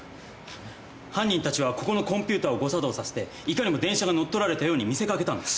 犯人たちはここのコンピューターを誤作動させていかにも電車が乗っ取られたように見せ掛けたんです。